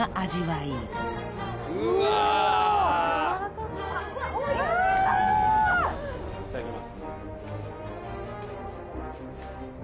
いただきます。